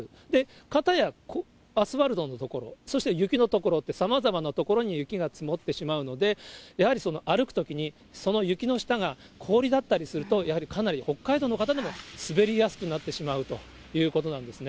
かたやアスファルトの所、そして雪の所って、さまざまな所に雪が積もってしまうので、やはり歩くときにその雪の下が氷だったりすると、やはりかなり北海道の方でも滑りやすくなってしまうということなんですね。